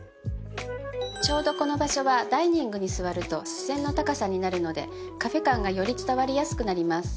ちょうどこの場所はダイニングに座ると視線の高さになるのでカフェ感がより伝わりやすくなります。